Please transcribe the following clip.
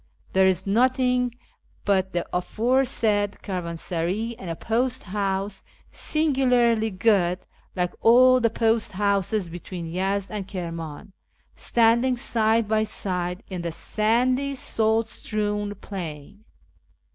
There is nothing but the aforesaid caravansaray and a post house (singularly good, like all the post houses between Yezd and Kirman) standing side by side in the sandy, salt strewn plain.